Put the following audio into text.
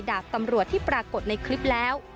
ดาบตำรวจที่ปรากฏในคลิปแล้ว